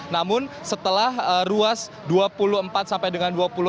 namun setelah ruas dua puluh empat sampai dengan dua puluh lima